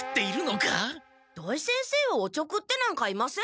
土井先生をおちょくってなんかいません。